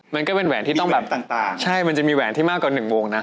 มันก็เป็นแหวนที่ต้องแบบต่างใช่มันจะมีแหวนที่มากกว่าหนึ่งวงนะ